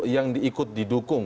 yang diikut didukung